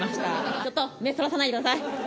ちょっと、目、そらさないでください。